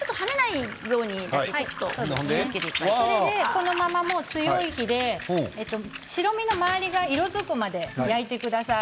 このまま強い火で白身の周りが色づくまで焼いてください。